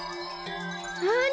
なに？